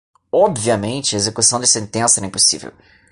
Obviamente, a execução da sentença era impossível.